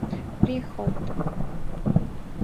— Приход.